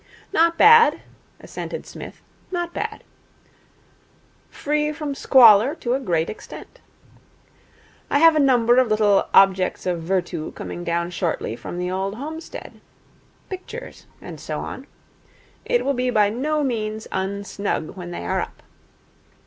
'Not bad,' assented Psmith, 'not bad. Free from squalor to a great extent. I have a number of little objects of vertu coming down shortly from the old homestead. Pictures, and so on. It will be by no means un snug when they are up.